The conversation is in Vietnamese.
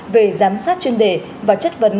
về giám sát chuyên đề và chất vấn